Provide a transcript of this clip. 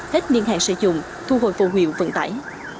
hết niên hàng sử dụng thu hồi vô hiệu vận tải